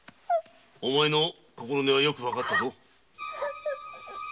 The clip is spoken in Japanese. お前の心根はよくわかったぞ。